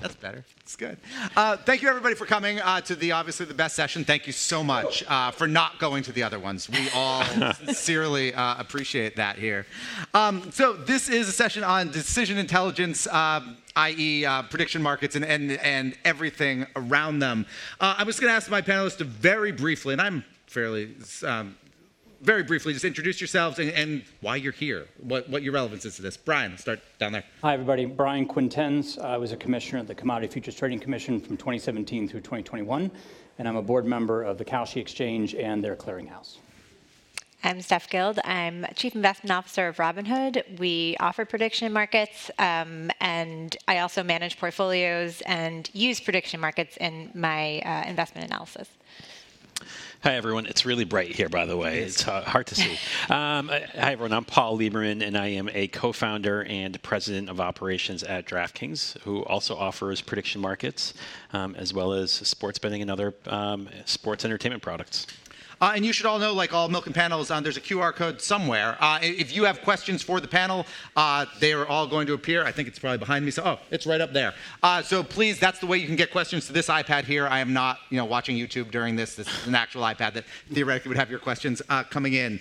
That's better. It's good. Thank you everybody for coming to the obviously the best session. Thank you so much. For not going to the other ones. We all sincerely appreciate that here. This is a session on decision intelligence, i.e., prediction markets and everything around them. I'm just gonna ask my panelists to very briefly just introduce yourselves and why you're here. What your relevance is to this. Brian, start down there. Hi, everybody. Brian Quintenz. I was a Commissioner at the Commodity Futures Trading Commission from 2017 through 2021. I'm a board member of the Kalshi Exchange and their clearinghouse. I'm Stephanie Guild. I'm Chief Investment Officer of Robinhood. We offer prediction markets, and I also manage portfolios and use prediction markets in my investment analysis. Hi, everyone. It's really bright here, by the way. It is. It's hard to see. Hi, everyone. I'm Paul Liberman. I am a Co-founder and President of Operations at DraftKings, who also offers prediction markets, as well as sports betting and other sports entertainment products. You should all know, like all Milken panels, there's a QR code somewhere. If you have questions for the panel, they are all going to appear. I think it's probably behind me so. Oh, it's right up there. Please, that's the way you can get questions to this iPad here. I am not, you know, watching YouTube during this. This is an actual iPad that theoretically would have your questions, coming in.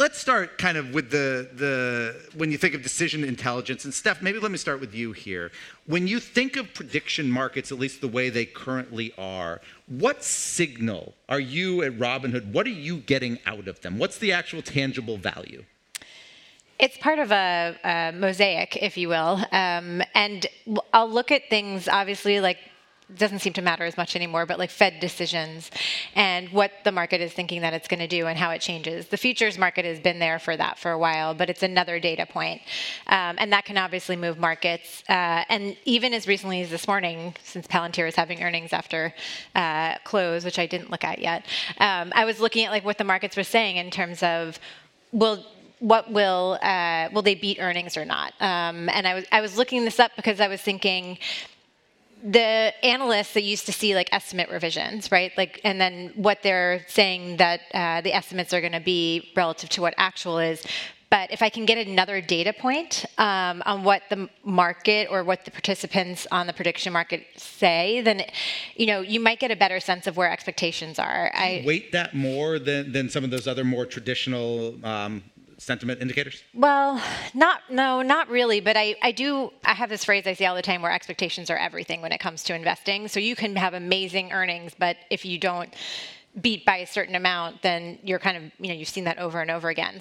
Let's start kind of with the when you think of decision intelligence, and Steph, maybe let me start with you here. When you think of prediction markets, at least the way they currently are, what signal are you at Robinhood, what are you getting out of them? What's the actual tangible value? It's part of a mosaic, if you will. I'll look at things obviously, like doesn't seem to matter as much anymore, but like Fed decisions and what the market is thinking that it's gonna do and how it changes. The futures market has been there for that for a while, but it's another data point. That can obviously move markets. Even as recently as this morning, since Palantir is having earnings after close, which I didn't look at yet, I was looking at like what the markets were saying in terms of, will they beat earnings or not? I was looking this up because I was thinking the analysts that used to see like estimate revisions, right? What they're saying that, the estimates are gonna be relative to what actual is. If I can get another data point, on what the market or what the participants on the prediction market say, then, you know, you might get a better sense of where expectations are. Do you weight that more than some of those other more traditional, sentiment indicators? No, not really. I have this phrase I say all the time where expectations are everything when it comes to investing. You can have amazing earnings, but if you don't beat by a certain amount, then you're kind of, you know, you've seen that over and over again.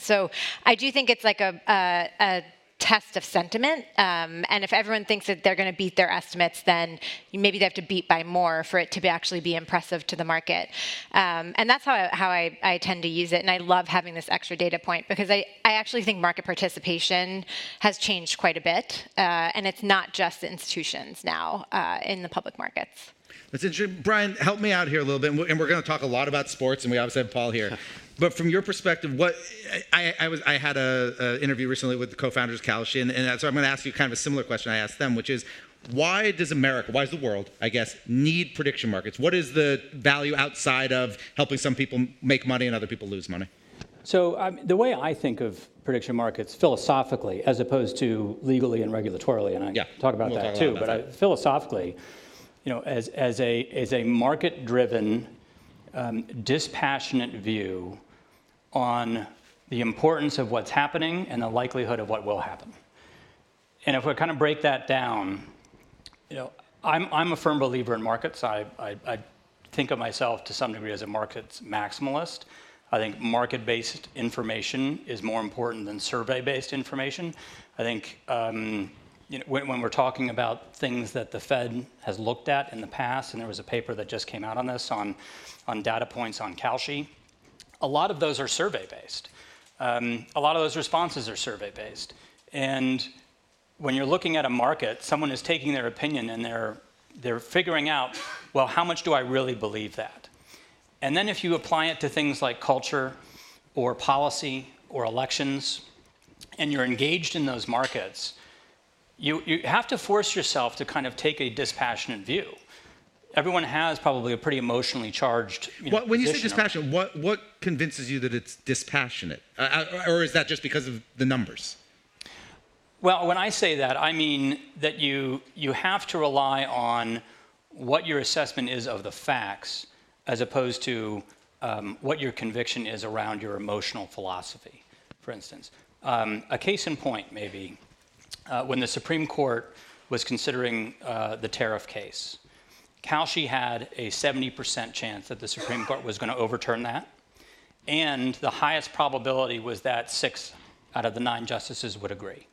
I do think it's like a test of sentiment, and if everyone thinks that they're gonna beat their estimates, then maybe they have to beat by more for it to be actually be impressive to the market. That's how I tend to use it, and I love having this extra data point because I actually think market participation has changed quite a bit. It's not just institutions now in the public markets. That's Brian, help me out here a little bit. We're going to talk a lot about sports, and we obviously have Paul here. Sure. From your perspective, I had an interview recently with the co-founders of Kalshi, and so I'm gonna ask you kind of a similar question I asked them, which is, why does America, why does the world, I guess, need prediction markets? What is the value outside of helping some people make money and other people lose money? The way I think of prediction markets philosophically, as opposed to legally and regulatorily. Yeah Talk about that too. We'll talk about that. Philosophically, you know, as a market-driven, dispassionate view on the importance of what's happening and the likelihood of what will happen. If we kinda break that down, you know, I'm a firm believer in markets. I think of myself to some degree as a markets maximalist. I think market-based information is more important than survey-based information. I think, you know, when we're talking about things that the Fed has looked at in the past, and there was a paper that just came out on this, on data points on Kalshi, a lot of those are survey based. A lot of those responses are survey based. When you're looking at a market, someone is taking their opinion and they're figuring out, Well, how much do I really believe that? Then if you apply it to things like culture or policy or elections, and you're engaged in those markets, you have to force yourself to kind of take a dispassionate view. Everyone has probably a pretty emotionally charged. When you say dispassionate, what convinces you that it's dispassionate? Is that just because of the numbers? Well, when I say that, I mean that you have to rely on what your assessment is of the facts as opposed to what your conviction is around your emotional philosophy. For instance, a case in point maybe, when the Supreme Court was considering the tariff case, Kalshi had a 70% chance that the Supreme Court was gonna overturn that, and the highest probability was that six out of the nine justices would agree,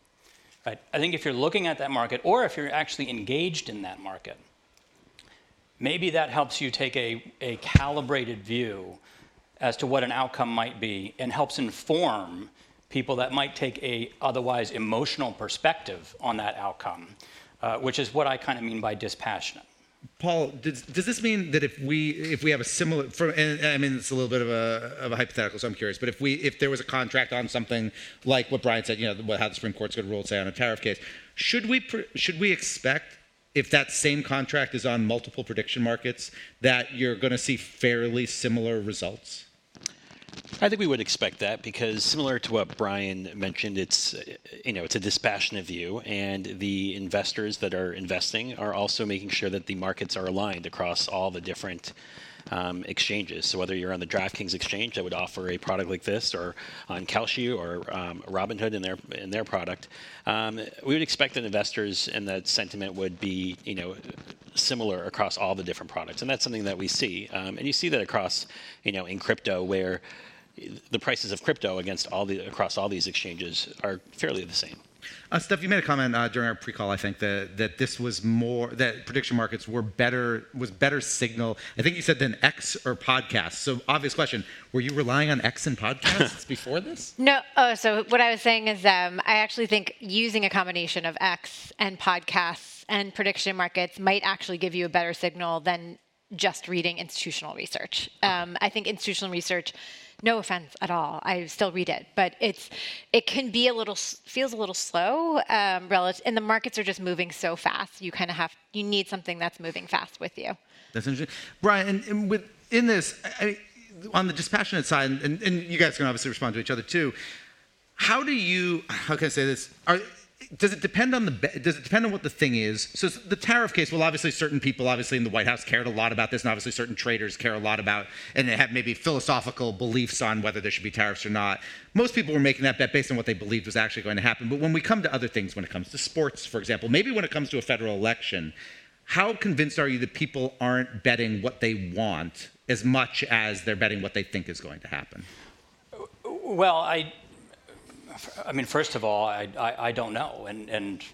right? I think if you're looking at that market or if you're actually engaged in that market, maybe that helps you take a calibrated view as to what an outcome might be and helps inform people that might take a otherwise emotional perspective on that outcome, which is what I kinda mean by dispassionate. Paul, does this mean that if we have a similar I mean, this is a little bit of a hypothetical, so I'm curious, but if we, if there was a contract on something like what Brian said, you know, how the Supreme Court's gonna rule, say, on a tariff case, should we expect if that same contract is on multiple prediction markets, that you're gonna see fairly similar results? I think we would expect that because similar to what Brian mentioned, it's, you know, it's a dispassionate view, and the investors that are investing are also making sure that the markets are aligned across all the different exchanges. Whether you're on the DraftKings exchange that would offer a product like this or on Kalshi or Robinhood and their product, we would expect that investors and that sentiment would be, you know, similar across all the different products, and that's something that we see. You see that across, you know, in crypto where the prices of crypto across all these exchanges are fairly the same. Steph, you made a comment during our pre-call, that prediction markets were better signal than X or podcasts. Obvious question, were you relying on X and podcasts before this? No. What I was saying is, I actually think using a combination of X and podcasts and prediction markets might actually give you a better signal than just reading institutional research. I think institutional research, no offense at all, I still read it, but it's, it can be a little feels a little slow, relative. The markets are just moving so fast, you need something that's moving fast with you. That's interesting, Brian. In this, I--on the dispassionate side, and you guys can obviously respond to each other too, how do you, how can I say this? Does it depend on what the thing is? The tariff case, well, obviously certain people in the White House cared a lot about this, and obviously certain traders care a lot about, and they have maybe philosophical beliefs on whether there should be tariffs or not. Most people were making that bet based on what they believed was actually going to happen. When we come to other things, when it comes to sports, for example, maybe when it comes to a federal election, how convinced are you that people aren't betting what they want as much as they're betting what they think is going to happen? Well, I mean, first of all, I don't know.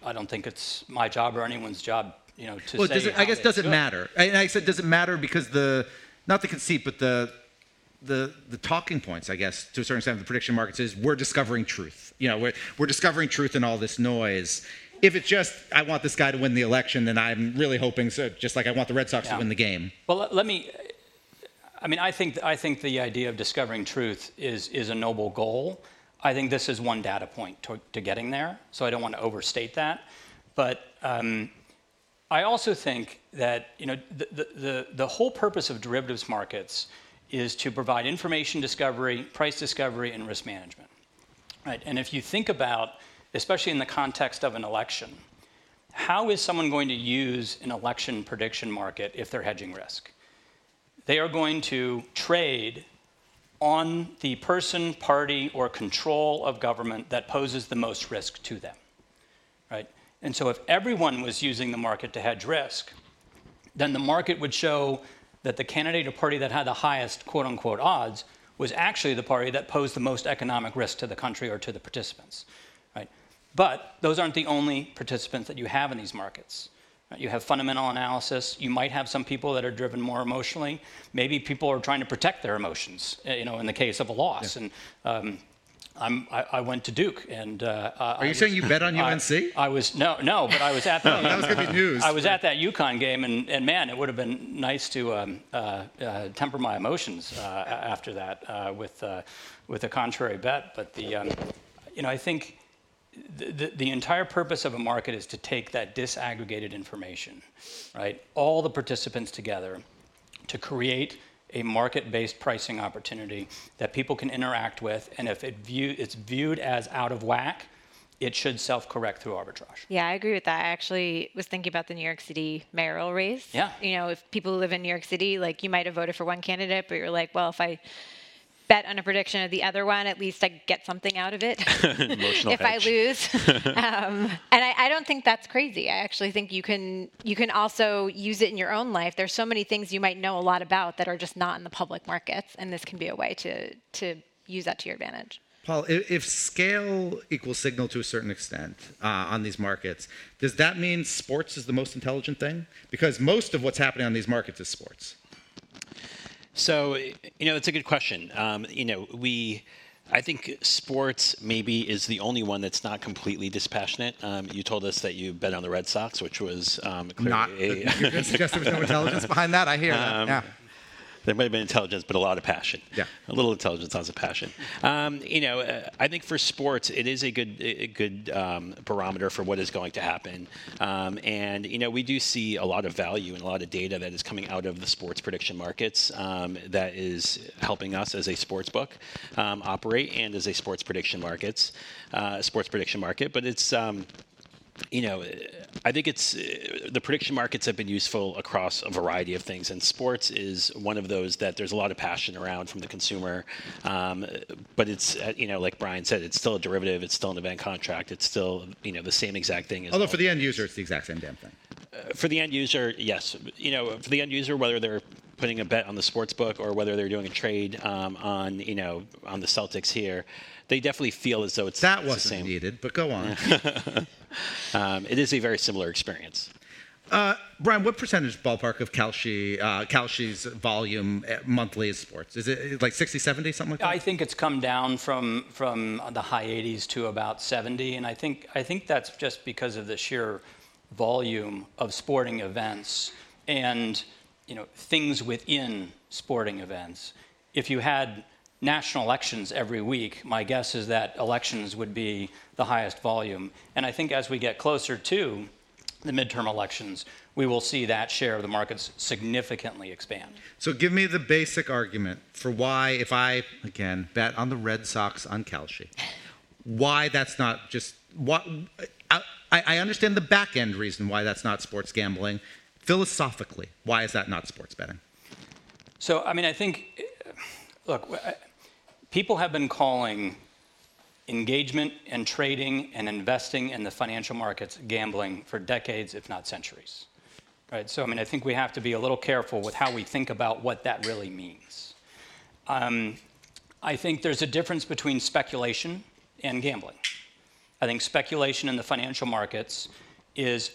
I don't think it's my job or anyone's job, you know, to say how this goes. Well, I guess, does it matter? I said does it matter because the, not the conceit, but the, the talking points, I guess, to a certain extent of the prediction markets is we're discovering truth. You know? We're discovering truth in all this noise. If it's just I want this guy to win the election, then I'm really hoping so, just like I want the Red Sox. Yeah To win the game. Let me I mean, I think the idea of discovering truth is a noble goal. I think this is one data point to getting there, so I don't wanna overstate that. I also think that, you know, the whole purpose of derivatives markets is to provide information discovery, price discovery, and risk management, right? If you think about, especially in the context of an election, how is someone going to use an election prediction market if they're hedging risk? They are going to trade on the person, party, or control of government that poses the most risk to them, right? If everyone was using the market to hedge risk, then the market would show that the candidate or party that had the highest,"odds" was actually the party that posed the most economic risk to the country or to the participants, right. Those aren't the only participants that you have in these markets. Right. You have fundamental analysis. You might have some people that are driven more emotionally. Maybe people are trying to protect their emotions, you know, in the case of a loss. Yeah. I went to Duke. Are you saying you bet on UNC? No, no. I was at that. That was gonna be news. I was at that UConn game, and man, it would've been nice to temper my emotions after that with a contrary bet. You know, I think the entire purpose of a market is to take that disaggregated information, right? All the participants together to create a market-based pricing opportunity that people can interact with, and if it's viewed as out of whack, it should self-correct through arbitrage. Yeah, I agree with that. I actually was thinking about the New York City mayoral race. Yeah. You know? If people who live in New York City, like, you might have voted for one candidate, but you're like, "Well, if I bet on a prediction of the other one, at least I get something out of it. Emotional hedge if I lose." I don't think that's crazy. I actually think you can also use it in your own life. There's so many things you might know a lot about that are just not in the public markets, this can be a way to use that to your advantage. Paul, if scale equals signal to a certain extent, on these markets, does that mean sports is the most intelligent thing? Most of what's happening on these markets is sports. You know, it's a good question. You know, I think sports maybe is the only one that's not completely dispassionate. You told us that you bet on the Red Sox, which was clearly. You're gonna suggest there was no intelligence behind that? I hear that. Yeah. There might've been intelligence, but a lot of passion. Yeah. A little intelligence, lots of passion. You know, I think for sports, it is a good barometer for what is going to happen. And you know, we do see a lot of value and a lot of data that is coming out of the sports prediction markets that is helping us as a sportsbook operate and as a sports prediction market. It's, you know, I think it's The prediction markets have been useful across a variety of things, and sports is one of those that there's a lot of passion around from the consumer. It's at, you know, like Brian said, it's still a derivative. It's still an event contract. It's still, you know, the same exact thing as For the end user, it's the exact same damn thing. For the end user, yes. You know, for the end user, whether they're putting a bet on the sportsbook or whether they're doing a trade, on you know, on the Celtics here, they definitely feel as though it's the same. That wasn't needed, but go on. It is a very similar experience. Brian, what percentage ballpark of Kalshi's volume monthly is sports? Is it, like, 60, 70, something like that? I think it's come down from the high 80s to about 70, and I think that's just because of the sheer volume of sporting events and, you know, things within sporting events. If you had national elections every week, my guess is that elections would be the highest volume. I think as we get closer to the midterm elections, we will see that share of the markets significantly expand. Give me the basic argument for why if I, again, bet on the Red Sox on Kalshi, why that's not just what, I understand the backend reason why that's not sports gambling. Philosophically, why is that not sports betting? I mean, I think look, people have been calling engagement and trading and investing in the financial markets gambling for decades, if not centuries, right? I mean, I think we have to be a little careful with how we think about what that really means. I think there's a difference between speculation and gambling. I think speculation in the financial markets is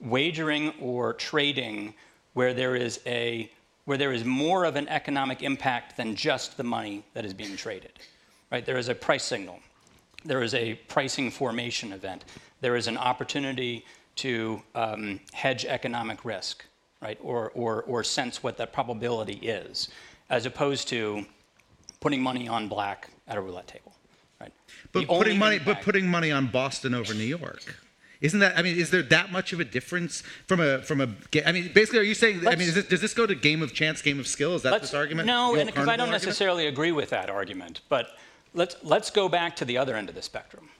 wagering or trading where there is more of an economic impact than just the money that is being traded, right? There is a price signal. There is a pricing formation event. There is an opportunity to hedge economic risk, right? Or sense what that probability is, as opposed to putting money on black at a roulette table, right? The only thing. Putting money on Boston over New York. Isn't that, I mean, is there that much of a difference from a, I mean, basically are you saying? I mean, is it, does this go to game of chance, game of skill? Is that this argument? Let's, Will Carnes argument? I don't necessarily agree with that argument, but let's go back to the other end of the spectrum.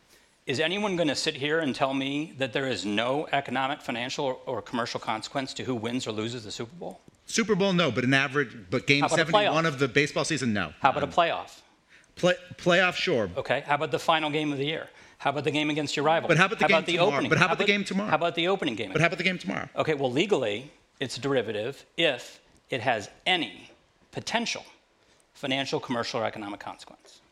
Is anyone gonna sit here and tell me that there is no economic, financial, or commercial consequence to who wins or loses the Super Bowl? Super Bowl, no, but an average, but game 71- How about a playoff? Of the baseball season, no. How about a playoff? Playoff, sure. Okay. How about the final game of the year? How about the game against your rival? How about the game tomorrow? How about the opening game? How about the game tomorrow? How about the opening game? How about the game tomorrow? Okay. Well, legally, it's a derivative if it has any potential financial, commercial, or economic consequence.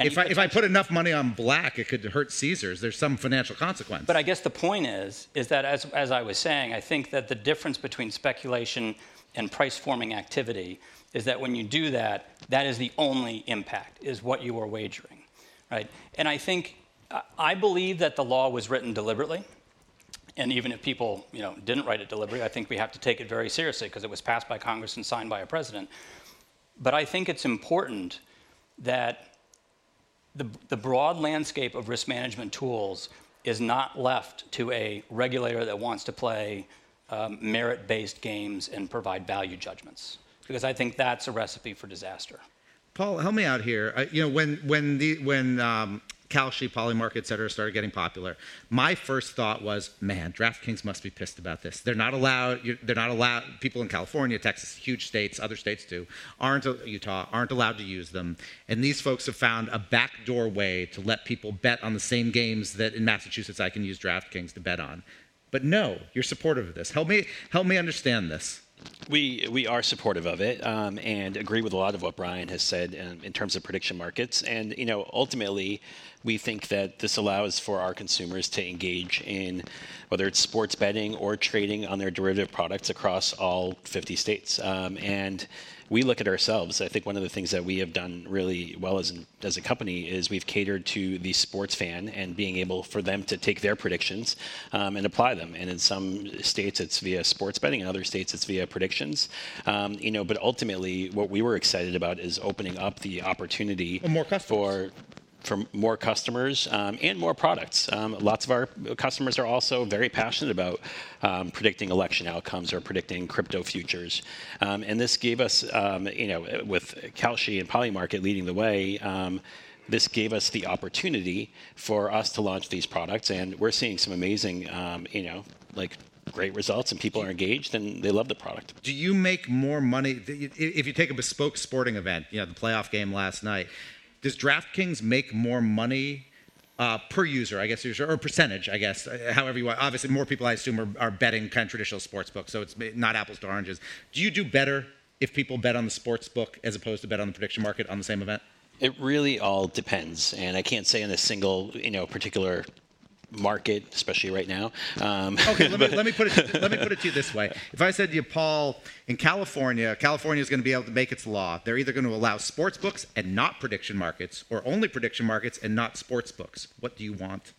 If I put enough money on black, it could hurt Caesars. There's some financial consequence. I guess the point is that as I was saying, I think that the difference between speculation and price-forming activity is that when you do that is the only impact, is what you are wagering, right? I think, I believe that the law was written deliberately, and even if people, you know, didn't write it deliberately, I think we have to take it very seriously 'cause it was passed by Congress and signed by a president. I think it's important that the broad landscape of risk management tools is not left to a regulator that wants to play merit-based games and provide value judgments because I think that's a recipe for disaster. Paul, help me out here I, you know, when Kalshi, Polymarket, et cetera, started getting popular, my first thought was, "Man, DraftKings must be pissed about this." They're not allowed, people in California, Texas, huge states, other states too, Utah, aren't allowed to use them, and these folks have found a backdoor way to let people bet on the same games that in Massachusetts I can use DraftKings to bet on. No, you're supportive of this. Help me understand this. We are supportive of it, agree with a lot of what Brian has said in terms of prediction markets. You know, ultimately, we think that this allows for our consumers to engage in, whether it is sports betting or trading on their derivative products across all 50 states. We look at ourselves, I think one of the things that we have done really well as a company is we have catered to the sports fan and being able for them to take their predictions and apply them. In some states, it is via sports betting. In other states, it is via predictions. You know, ultimately, what we were excited about is opening up the opportunity. More customers. For more customers, and more products. Lots of our customers are also very passionate about predicting election outcomes or predicting crypto futures. This gave us, you know, with Kalshi and Polymarket leading the way, this gave us the opportunity for us to launch these products, and we're seeing some amazing, you know, like, great results, and people are engaged, and they love the product. Do you make more money, if you take a bespoke sporting event, you know, the playoff game last night, does DraftKings make more money, per user, I guess user, or percentage, I guess? However you want. Obviously, more people, I assume are betting kinda traditional sports books, so it's not apples to oranges. Do you do better if people bet on the sports book as opposed to bet on the prediction market on the same event? It really all depends, and I can't say on a single, you know particular market especially right now. Okay. Let me put it to you this way. If I said to you, Paul, in California's gonna be able to make its law. They're either gonna allow sports books and not prediction markets or only prediction markets and not sports books. What do you want?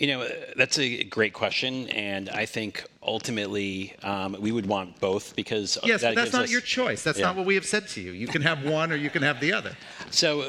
You know, that's a great question, and I think ultimately, we would want both because that gives us. Yes, but that's not your choice. Yeah. That's not what we have said to you. You can have one or you can have the other.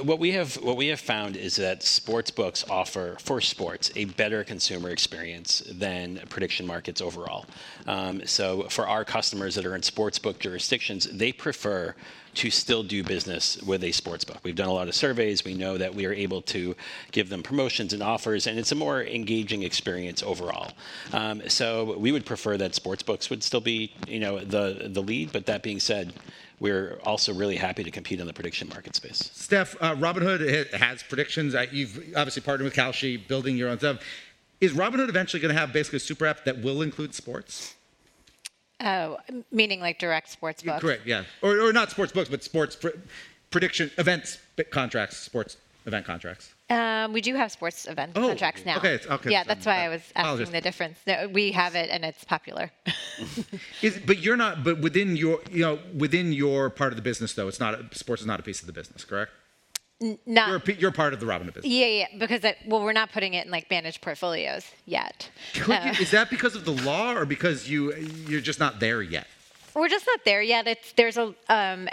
What we have found is that sportsbooks offer, for sports, a better consumer experience than prediction markets overall. For our customers that are in sportsbook jurisdictions, they prefer to still do business with a sportsbook. We've done a lot of surveys. We know that we are able to give them promotions and offers, and it's a more engaging experience overall. We would prefer that sportsbooks would still be, you know, the lead. That being said, we're also really happy to compete in the prediction market space. Steph, Robinhood has predictions. You've obviously partnered with Kalshi, building your own stuff. Is Robinhood eventually gonna have basically a super app that will include sports? Oh, meaning like direct sportsbooks? Correct, yeah. Or not sports books, but sports prediction events, contracts, sports event contracts. We do have sports event contracts now. Oh, okay. Okay. Yeah, that's why I was asking the difference. Oh, I was just- No, we have it, and it's popular. You're not, but within your, you know, within your part of the business though, it's not, sports is not a piece of the business, correct? No. You're a part of the Robinhood business. Yeah, yeah. Because it, well, we're not putting it in, like, managed portfolios yet. Is that because of the law or because you're just not there yet? We're just not there yet. It's, there's a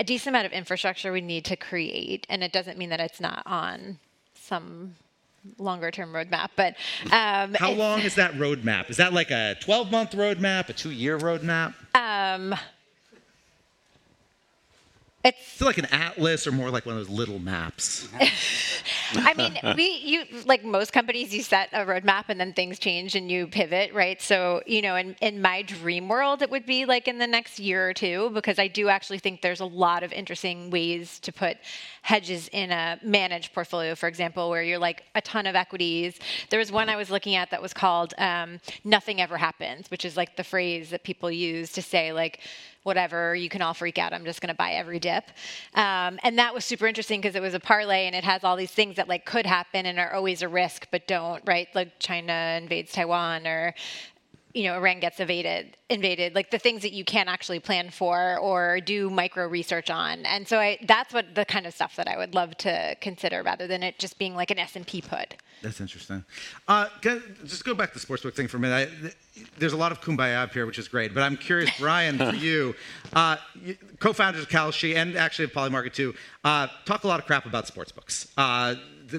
decent amount of infrastructure we need to create, and it doesn't mean that it's not on some longer term roadmap, but How long is that roadmap? Is that like a 12-month roadmap, a two-year roadmap? Um, it's- Is it like an atlas, or more like one of those little maps? I mean, we, you, like most companies, you set a roadmap then things change and you pivot, right? You know, in my dream world, it would be like in the next year or two, because I do actually think there's a lot of interesting ways to put hedges in a managed portfolio, for example, where you're like a ton of equities. There was one I was looking at that was called, 'Nothing Ever Happens,' which is like the phrase that people use to say like, "Whatever, you can all freak out, I'm just gonna buy every dip." That was super interesting 'cause it was a parlay and it has all these things that like could happen and are always a risk, don't, right? China invades Taiwan or, you know, Iran gets invaded. Like, the things that you can't actually plan for or do micro research on. That's what, the kind of stuff that I would love to consider rather than it just being like an S&P put. That's interesting. Can just go back to the sportsbook thing for a minute. There's a lot of kumbaya up here, which is great, but I'm curious, Brian, for you, co-founders of Kalshi and actually of Polymarket too, talk a lot of crap about sportsbooks.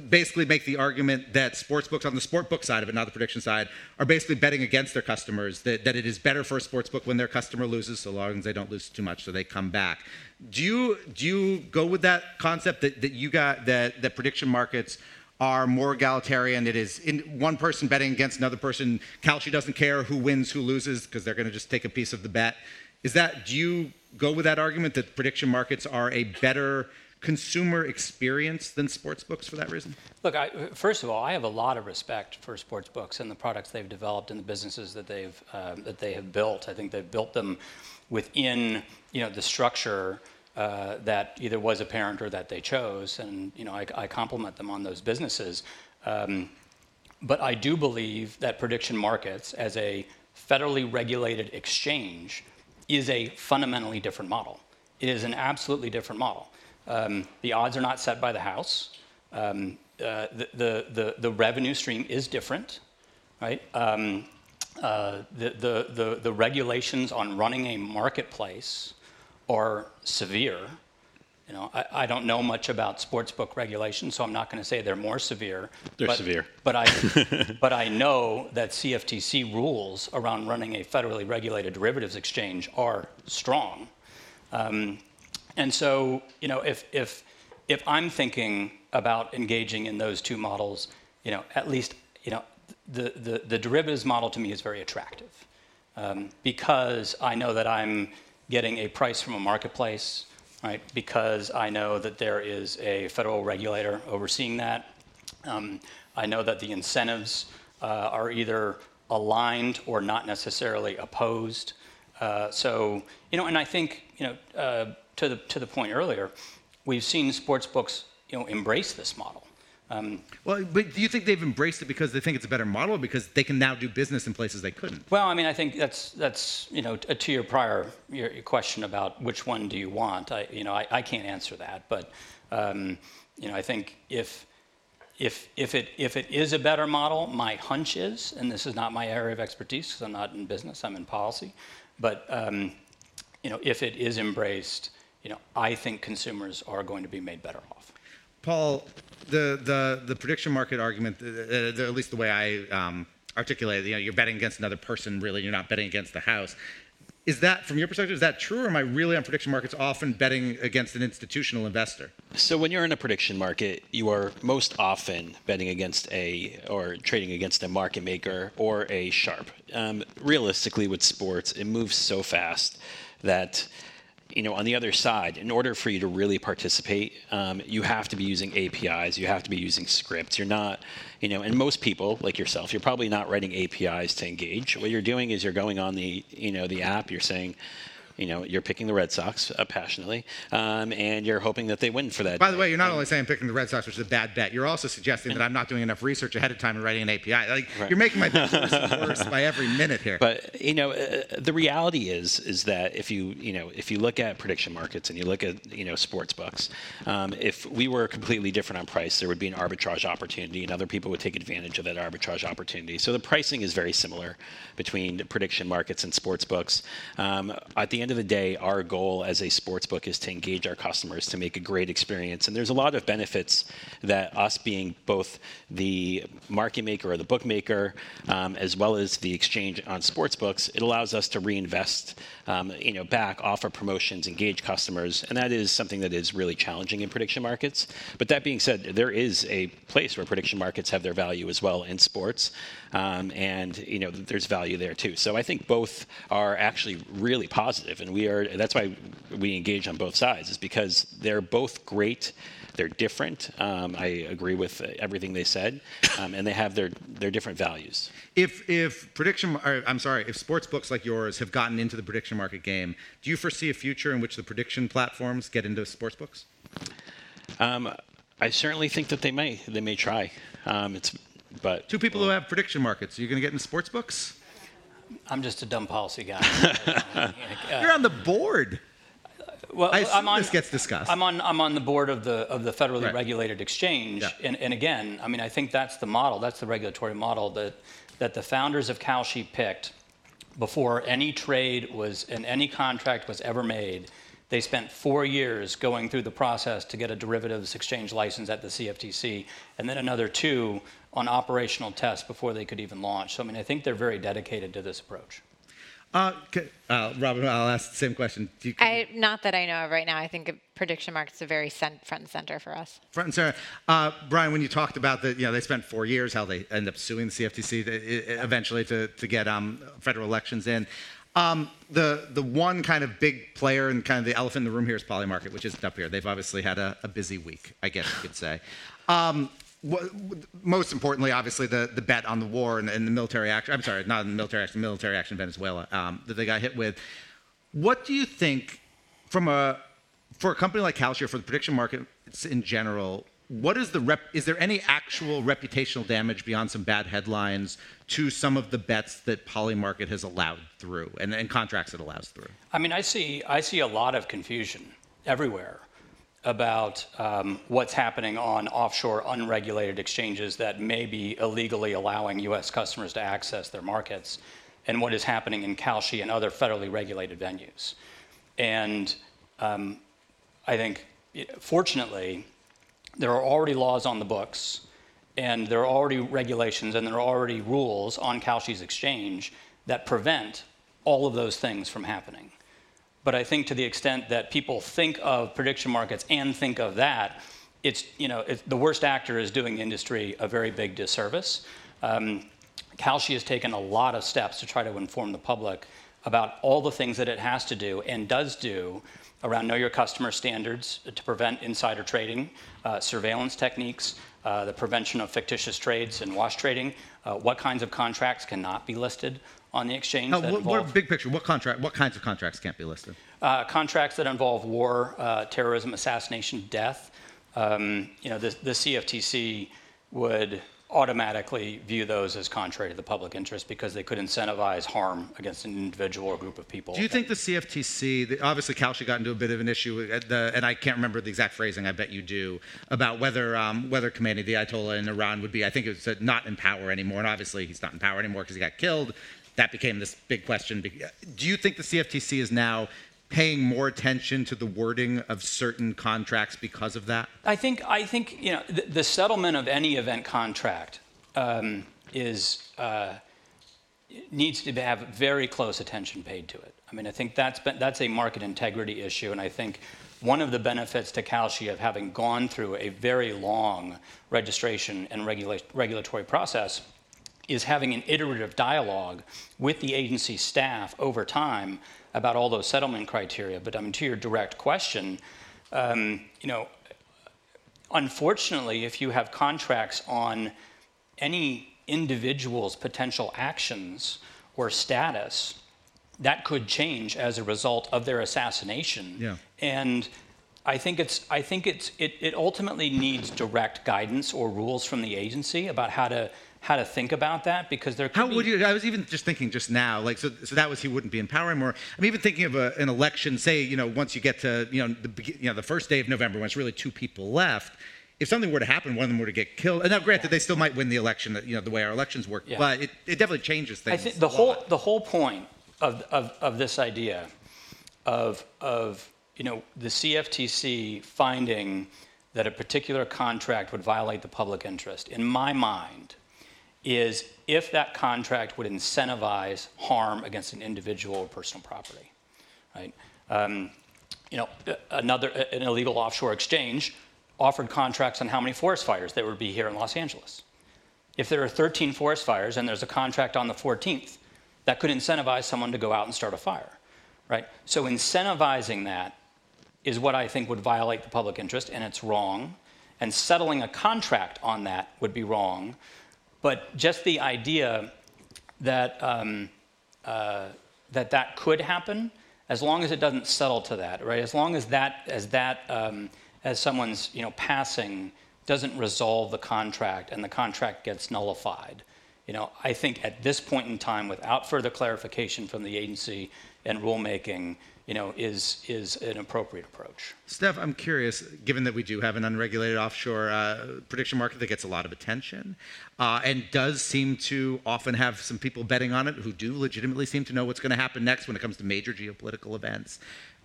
Basically make the argument that sportsbooks on the sportsbook side of it, not the prediction side, are basically betting against their customers. That it is better for a sportsbook when their customer loses so long as they don't lose too much so they come back. Do you go with that concept? That you got the prediction markets are more egalitarian. It is in one person betting against another person. Kalshi doesn't care who wins, who loses, 'cause they're gonna just take a piece of the bet. Do you go with that argument that prediction markets are a better consumer experience than sports books for that reason? Look, I, first of all, I have a lot of respect for sports books and the products they've developed and the businesses that they have built. I think they've built them within, you know, the structure that either was apparent or that they chose and, you know, I compliment them on those businesses. I do believe that prediction markets as a federally regulated exchange is a fundamentally different model. It is an absolutely different model. The odds are not set by the house. The revenue stream is different, right? The regulations on running a marketplace are severe, you know. I don't know much about sports book regulations, so I'm not gonna say they're more severe. They're severe. I know that CFTC rules around running a federally regulated derivatives exchange are strong. You know, if I'm thinking about engaging in those two models, you know, at least, you know, the derivatives model to me is very attractive, because I know that I'm getting a price from a marketplace, right? Because I know that there is a federal regulator overseeing that. I know that the incentives are either aligned or not necessarily opposed. You know, I think, you know, to the point earlier, we've seen sports books, you know, embrace this model. Do you think they've embraced it because they think it's a better model, or because they can now do business in places they couldn't? Well, I mean, I think that's, you know, to your prior, your question about which one do you want, I, you know, I can't answer that. You know, I think if it is a better model, my hunch is, and this is not my area of expertise 'cause I'm not in business, I'm in policy but you know, I think if it is embraced, you know, I think consumers are going to be made better off. Paul, the prediction market argument, at least the way I articulate it, you know, you're betting against another person really, you're not betting against the house. Is that from your perspective, is that true or am I really on prediction markets often betting against an institutional investor? When you're in a prediction market, you are most often betting against or trading against a market maker or a sharp. Realistically with sports, it moves so fast that, you know, on the other side, in order for you to really participate, you have to be using APIs, you have to be using scripts. You're not, you know most people, like yourself you're probably not writing APIs to engage. What you're doing is you're going on the, you know, the app. You're saying, you know, you're picking the Red Sox passionately, and you're hoping that they win for that day. By the way, you're not only saying I'm picking the Red Sox, which is a bad bet, you're also suggesting that I'm not doing enough research ahead of time in writing an API. Right You're making my case worse by every minute here. You know, the reality is that if you know, if you look at prediction markets and you look at, you know, sports books, if we were completely different on price, there would be an arbitrage opportunity and other people would take advantage of that arbitrage opportunity. The pricing is very similar between prediction markets and sports books. At the end of the day, our goal as a sports book is to engage our customers to make a great experience, and there's a lot of benefits that us being both the market maker or the bookmaker, as well as the exchange on sports books, it allows us to reinvest, you know, back, offer promotions, engage customers, and that is something that is really challenging in prediction markets. That being said, there is a place where prediction markets have their value as well in sports. You know, there's value there too. I think both are actually really positive and we are, that's why we engage on both sides, is because they're both great. They're different. I agree with everything they said. They have their different values. If sportsbooks like yours have gotten into the prediction market game, do you foresee a future in which the prediction platforms get into sportsbooks? I certainly think that they may. They may try. Two people who have prediction markets, are you gonna get into sports books? I'm just a dumb policy guy. You're on the board. Well This gets discussed I'm on the board of the federally- Right Regulated exchange. Yeah. Again, I think that's the model, that's the regulatory model that the founders of Kalshi picked before any trade and any contract was ever made. They spent four years going through the process to get a derivatives exchange license at the CFTC, and then another two on operational tests before they could even launch. I think they're very dedicated to this approach. Robinhood, I'll ask the same question. Do you? Not that I know of right now. I think prediction markets are very front and center for us. Front and center. Brian, when you talked about the, you know, they spent four years, how they ended up suing the CFTC eventually to get federal elections in. The one kinda big player and kinda the elephant in the room here is Polymarket, which isn't up here. They've obviously had a busy week, I guess you could say. Most importantly, obviously the bet on the war and the military act- I'm sorry, not on the military action, the military action in Venezuela that they got hit with. What do you think from. For a company like Kalshi or for the prediction market in general, is there any actual reputational damage beyond some bad headlines to some of the bets that Polymarket has allowed through, and contracts it allows through? I mean, I see a lot of confusion everywhere about what's happening on offshore unregulated exchanges that may be illegally allowing U.S. customers to access their markets, and what is happening in Kalshi and other federally regulated venues. Fortunately, there are already laws on the books, and there are already regulations, and there are already rules on Kalshi's exchange that prevent all of those things from happening. I think to the extent that people think of prediction markets and think of that, the worst actor is doing the industry a very big disservice. Kalshi has taken a lot of steps to try to inform the public about all the things that it has to do and does do around know your customer standards to prevent insider trading, surveillance techniques, the prevention of fictitious trades and wash trading, what kinds of contracts cannot be listed on the exchange. Now, what big picture, what contract, what kinds of contracts can't be listed? Contracts that involve war, terrorism, assassination death, you know, the CFTC would automatically view those as contrary to the public interest because they could incentivize harm against an individual or group of people. Obviously Kalshi got into a bit of an issue with the and I can't remember the exact phrasing, I bet you do, about whether Ali Khamenei, the Ayatollah in Iran, would be, I think it said, not in power anymore, and obviously he's not in power anymore 'cause he got killed. That became this big question. Do you think the CFTC is now paying more attention to the wording of certain contracts because of that? I think, you know the settlement of any event contract needs to have very close attention paid to it. I mean, I think that's a market integrity issue, and I think one of the benefits to Kalshi of having gone through a very long registration and regulatory process is having an iterative dialogue with the agency staff over time about all those settlement criteria. I mean, to your direct question, you know unfortunately, if you have contracts on any individual's potential actions or status, that could change as a result of their assassination. Yeah. I think it's it ultimately needs direct guidance or rules from the agency about how to think about that. I was even just thinking just now, like, so that was he wouldn't be in power anymore. I'm even thinking of an election, say you know, once you get to, you know the first day of November when there's really two people left. If something were to happen, one of them were to get killed. Granted, they still might win the election, you know the way our elections work. Yeah. It definitely changes things a lot. I think the whole point of this idea of, you know the CFTC finding that a particular contract would violate the public interest, in my mind is if that contract would incentivize harm against an individual or personal property, right? You know, an illegal offshore exchange offered contracts on how many forest fires there would be here in Los Angeles. If there are 13 forest fires and there's a contract on the 14th, that could incentivize someone to go out and start a fire, right? Incentivizing that is what I think would violate the public interest, and it's wrong, and settling a contract on that would be wrong. Just the idea that could happen, as long as it doesn't settle to that, right? As long as that, as someone's, you know, passing doesn't resolve the contract and the contract gets nullified. You know, I think at this point in time, without further clarification from the agency and rulemaking, you know is an appropriate approach. Steph, I'm curious, given that we do have an unregulated offshore prediction market that gets a lot of attention, and does seem to often have some people betting on it who do legitimately seem to know what's gonna happen next when it comes to major geopolitical events,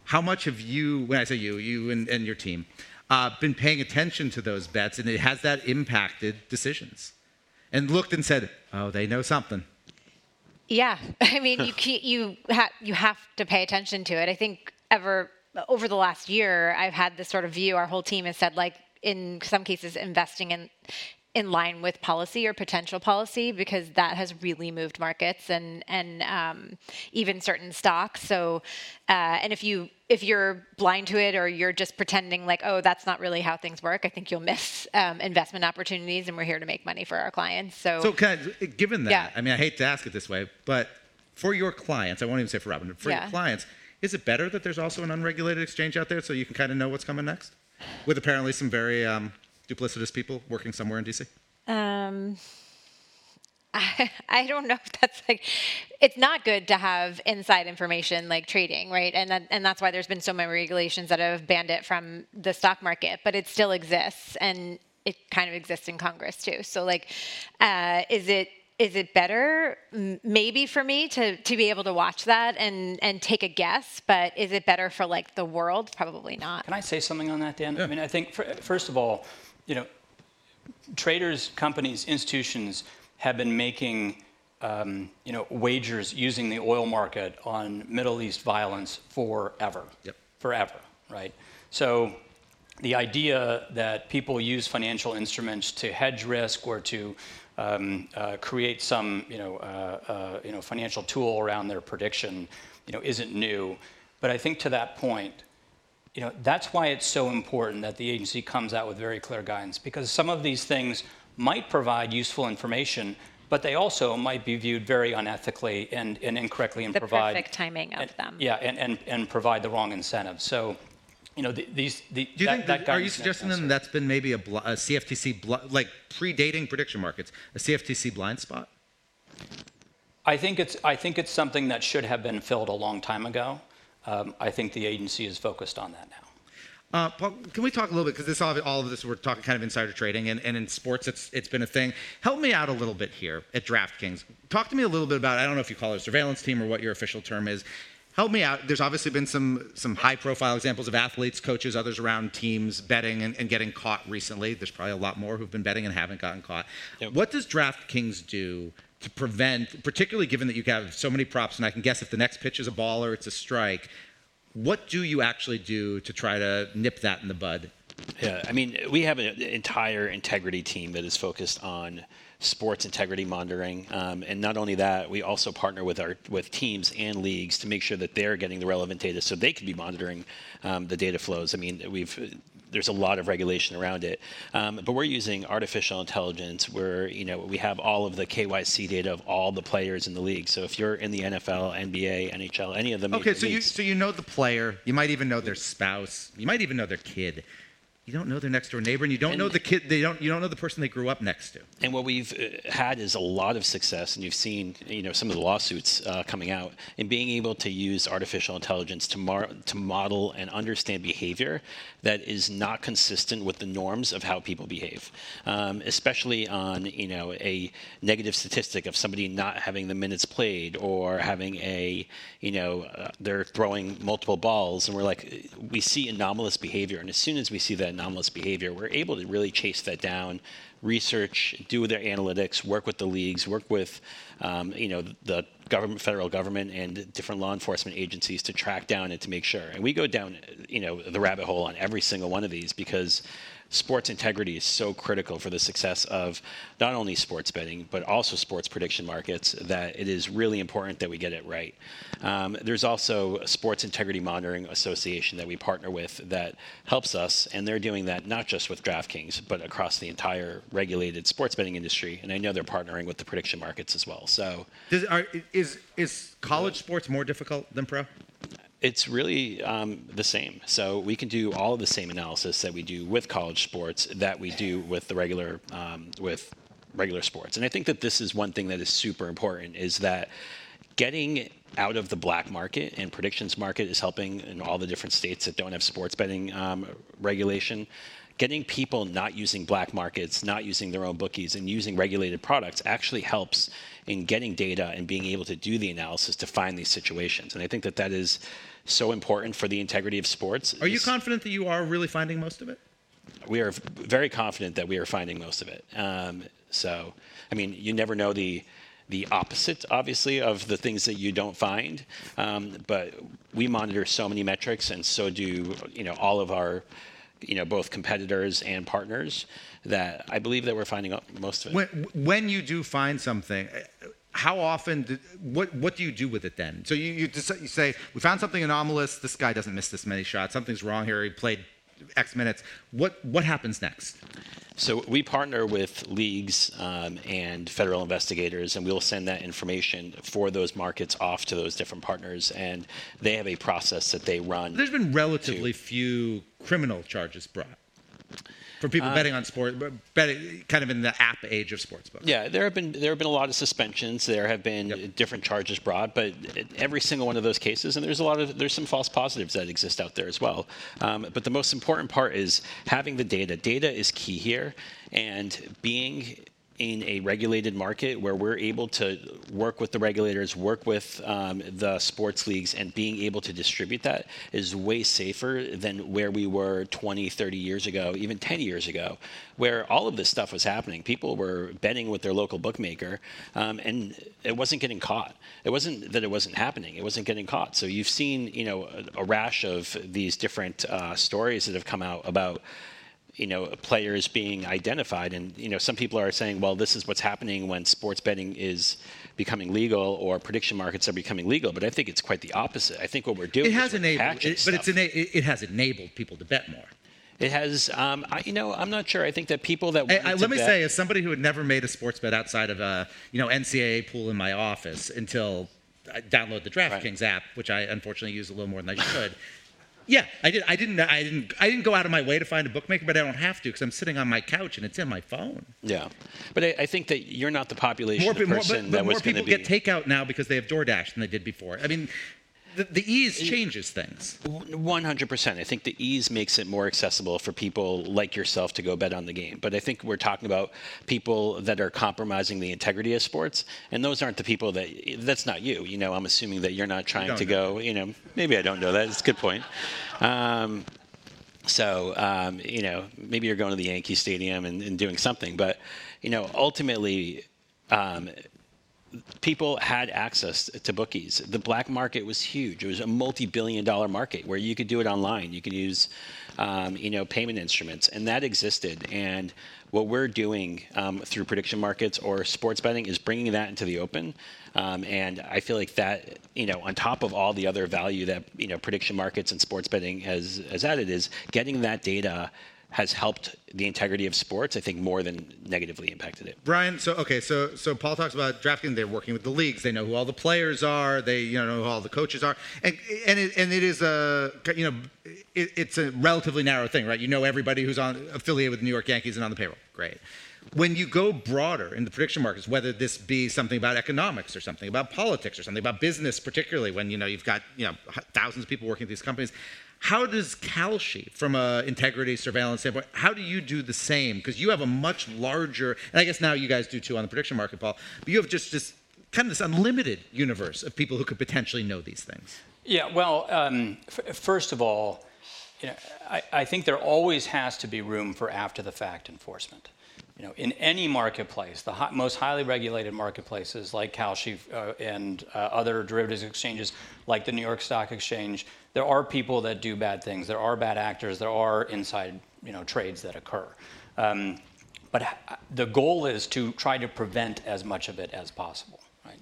how much have you, when I say you and your team, been paying attention to those bets, and has that impacted decisions? Looked and said, "Oh, they know something. I mean, you have to pay attention to it. I think over the last year I've had this sort of view, our whole team has said, like, in some cases investing in line with policy or potential policy because that has really moved markets and, even certain stocks. If you're blind to it or you're just pretending like, "Oh, that's not really how things work," I think you'll miss investment opportunities, and we're here to make money for our clients. So kind of... given that- Yeah I mean, I hate to ask it this way, but for your clients. Yeah For your clients, is it better that there's also an unregulated exchange out there so you can kinda know what's coming next? With apparently some very duplicitous people working somewhere in D.C. I don't know if that's like, it's not good to have inside information like trading, right? That, and that's why there's been so many regulations that have banned it from the stock market, but it still exists, and it kind of exists in Congress, too. Like, is it, is it better maybe for me to be able to watch that and take a guess, but is it better for like the world, Probably not. Can I say something on that, Dan? Yeah. I mean, I think first of all you know traders, companies, institutions have been making, you know wagers using the oil market on Middle East violence forever. Yep. Forever, right? The idea that people use financial instruments to hedge risk or to create some, you know you know, financial tool around their prediction, you know, isn't new. I think to that point, you know, that's why it's so important that the agency comes out with very clear guidance because some of these things might provide useful information, but they also might be viewed very unethically and incorrectly. The perfect timing of them. Yeah, and provide the wrong incentive. You know, these, that guidance. Are you suggesting then that's been maybe a CFTC like predating prediction markets, a CFTC blind spot? I think it's something that should have been filled a long time ago. I think the agency is focused on that now. Paul, can we talk a little bit, 'cause this all of this we're talking kind of insider trading and in sports it's been a thing. Help me out a little bit here at DraftKings. Talk to me a little bit about, I don't know if you call it a surveillance team or what your official term is. Help me out. There's obviously been some high-profile examples of athletes, coaches, others around teams betting and getting caught recently. There's probably a lot more who've been betting and haven't gotten caught. Yeah. What does DraftKings do to prevent, particularly given that you have so many props and I can guess if the next pitch is a ball or it's a strike, what do you actually do to try to nip that in the bud? I mean, we have an entire integrity team that is focused on sports integrity monitoring. Not only that, we also partner with our with teams and leagues to make sure that they're getting the relevant data so they can be monitoring the data flows. I mean, There's a lot of regulation around it. We're using artificial intelligence. We're, you know, we have all of the KYC data of all the players in the league. If you're in the NFL, NBA, NHL, any of the major leagues. Okay, you know the player. You might even know their spouse. You might even know their kid. You don't know their next-door neighbor, and you don't know the kid. And. They don't, you don't know the person they grew up next to. What we've had is a lot of success, and you've seen, you know, some of the lawsuits coming out, in being able to use artificial intelligence to model and understand behavior that is not consistent with the norms of how people behave. Especially on, you know, a negative statistic of somebody not having the minutes played or having a, you know, they're throwing multiple balls, and we're like, we see anomalous behavior, and as soon as we see that anomalous behavior, we're able to really chase that down, research, do their analytics, work with the leagues, work with, you know, the government, federal government, and different law enforcement agencies to track down and to make sure. We go down, you know, the rabbit hole on every single one of these because sports integrity is so critical for the success of not only sports betting, but also prediction markets, that it is really important that we get it right. There's also a Sports Wagering Integrity Monitoring Association that we partner with that helps us, and they're doing that not just with DraftKings, but across the entire regulated sports betting industry, and I know they're partnering with the prediction markets as well. Is college sports more difficult than pro? It's really the same. We can do all of the same analysis that we do with college sports that we do with the regular, with regular sports. I think that this is one thing that is super important is that getting out of the black market and prediction markets is helping in all the different states that don't have sports betting regulation. Getting people not using black markets, not using their own bookies, and using regulated products actually helps in getting data and being able to do the analysis to find these situations, and I think that that is so important for the integrity of sports. Are you confident that you are really finding most of it? We are very confident that we are finding most of it. I mean, you never know the opposite, obviously, of the things that you don't find. We monitor so many metrics and so do, you know, all of our, you know, both competitors and partners that I believe that we're finding up most of it. When you do find something, how often do you? What do you do with it then? You say, "We found something anomalous. This guy doesn't miss this many shots. Something's wrong here. He played X minutes." What happens next? We partner with leagues, and federal investigators, and we will send that information for those markets off to those different partners, and they have a process that they run. There's been relatively few criminal charges brought. For people betting on sport, but betting kind of in the app age of sports betting. Yeah. There have been a lot of suspensions. Different charges brought. Every single one of those cases, there's some false positives that exist out there as well. The most important part is having the data. Data is key here. Being in a regulated market where we're able to work with the regulators, work with the sports leagues, and being able to distribute that is way safer than where we were 20, 30 years ago, even 10 years ago, where all of this stuff was happening. People were betting with their local bookmaker, and it wasn't getting caught. It wasn't that it wasn't happening. It wasn't getting caught. You've seen, you know, a rash of these different stories that have come out about, you know, players being identified and, you know, some people are saying, "Well, this is what's happening when sports betting is becoming legal or prediction markets are becoming legal." I think it's quite the opposite. I think what we're doing is we're patching stuff. It has enabled people to bet more. It has. You know, I'm not sure. I think that people that want to Let me say, as somebody who had never made a sports bet outside of a, you know, NCAA pool in my office until I download the DraftKings app. Right Which I unfortunately use a little more than I should. Yeah, I did. I didn't go out of my way to find a bookmaker, but I don't have to 'cause I'm sitting on my couch and it's in my phone. Yeah. I think that you're not the population of person. More people get takeout now because they have DoorDash than they did before. I mean, the ease changes things. 100%. I think the ease makes it more accessible for people like yourself to go bet on the game. I think we're talking about people that are compromising the integrity of sports, and those aren't the people that. That's not you. You know, I'm assuming that you're not trying to go. You don't know that. You know, maybe I don't know that. It's a good point. You know, maybe you're going to the Yankee Stadium and doing something. You know, ultimately, people had access to bookies. The black market was huge. It was a multi-billion dollar market where you could do it online. You could use, you know, payment instruments, and that existed. What we're doing through prediction markets or sports betting is bringing that into the open. I feel like that, you know, on top of all the other value that, you know, prediction markets and sports betting has added is getting that data has helped the integrity of sports, I think, more than negatively impacted it. Brian, so okay. Paul talks about DraftKings. They're working with the leagues. They know who all the players are. They, you know who all the coaches are. It's a relatively narrow thing, right? You know everybody who's on affiliated with the New York Yankees and on the payroll. Great. When you go broader in the prediction markets, whether this be something about economics or something about politics or something about business, particularly when, you know, you've got, you know, thousands of people working at these companies, how does Kalshi, from an integrity, surveillance standpoint, how do you do the same? Cause you have a much larger. I guess now you guys do, too, on the prediction market, Paul. You have just, this kind of unlimited universe of people who could potentially know these things. Well, first of all, you know, I think there always has to be room for after the fact enforcement. You know, in any marketplace, the most highly regulated marketplaces like Kalshi, and other derivatives exchanges, like the New York Stock Exchange, there are people that do bad things. There are bad actors. There are inside, you know, trades that occur. The goal is to try to prevent as much of it as possible, right?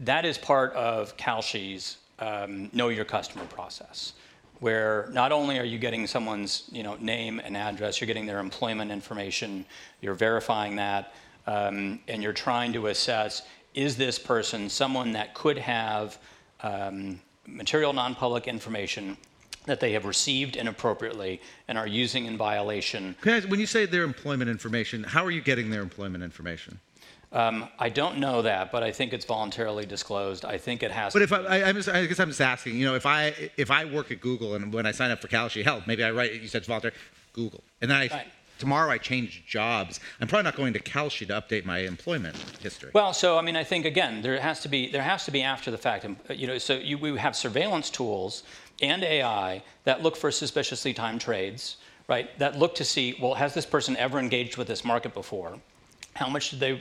That is part of Kalshi's Know Your Customer process, where not only are you getting someone's, you know, name and address, you're getting their employment information, you're verifying that, and you're trying to assess, is this person someone that could have material non-public information that they have received inappropriately and are using in violation. When you say their employment information, how are you getting their employment information? I don't know that, but I think it's voluntarily disclosed. I think it has to be. If I'm just, I guess I'm just asking you know, if I work at Google and when I sign up for Kalshi, hell, maybe I write you said it's voluntary, Google. Right. Tomorrow I change jobs, I'm probably not going to Kalshi to update my employment history. I think again, there has to be after the fact. You know, we have surveillance tools and AI that look for suspiciously timed trades, right? That look to see, well, has this person ever engaged with this market before? How much did they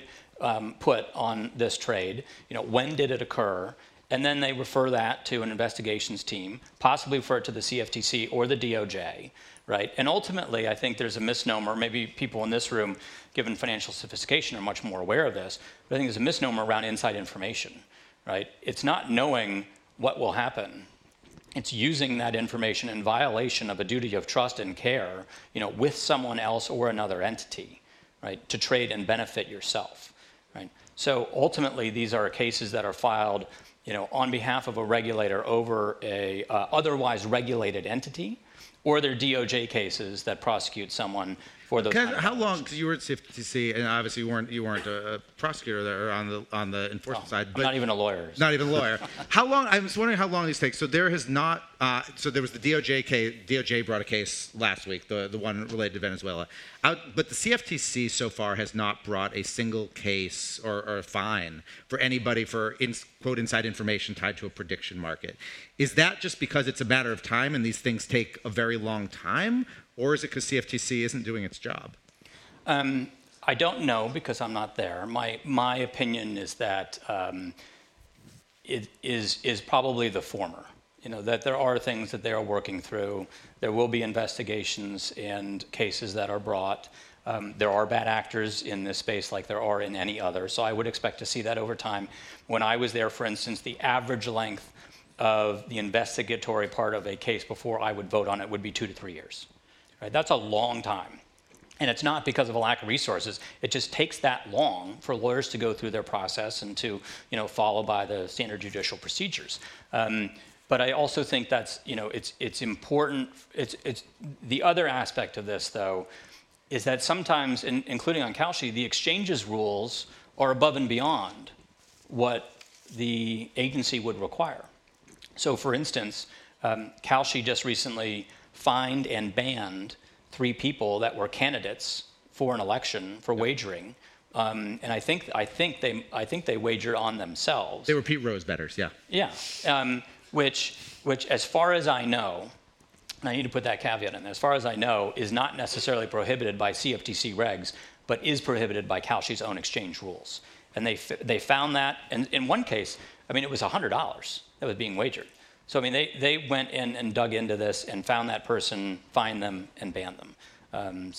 put on this trade? You know, when did it occur? They refer that to an investigations team, possibly refer it to the CFTC or the DOJ, right? Ultimately, I think there's a misnomer. Maybe people in this room, given financial sophistication, are much more aware of this, I think there's a misnomer around inside information, right? It's not knowing what will happen. It's using that information in violation of a duty of trust and care, you know with someone else or another entity, right, to trade and benefit yourself, right? Ultimately, these are cases that are filed, you know, on behalf of a regulator over a otherwise regulated entity, or they're DOJ cases that prosecute someone for those kinds of violations. How long? Cause you were at CFTC, and obviously you weren't a prosecutor there on the enforcement side. No, I'm not even a lawyer, so. Not even a lawyer. How long. I'm just wondering how long these take. There was the DOJ brought a case last week, the one related to Venezuela. The CFTC so far has not brought a single case or fine for anybody for "inside information" tied to a prediction market. Is that just because it's a matter of time and these things take a very long time, or is it 'cause CFTC isn't doing its job? I don't know because I'm not there. My opinion is that it is probably the former. You know, that there are things that they are working through. There will be investigations and cases that are brought. There are bad actors in this space like there are in any other, so I would expect to see that over time. When I was there, for instance, the average length of the investigatory part of a case before I would vote on it would be two to three years. Right? That's a long time. It's not because of a lack of resources. It just takes that long for lawyers to go through their process and to, you know, follow by the standard judicial procedures. I also think that's, you know, it's important. The other aspect of this, though, is that sometimes including on Kalshi, the exchange's rules are above and beyond what the agency would require. For instance, Kalshi just recently fined and banned three people that were candidates for an election for wagering. I think they wagered on themselves. They were Pete Rose bettors, yeah. Yeah. Which as far as I know, and I need to put that caveat in there, as far as I know, is not necessarily prohibited by CFTC regs but is prohibited by Kalshi's own exchange rules. They found that. In one case, I mean, it was $100 that was being wagered. I mean, they went in and dug into this and found that person, fined them and banned them.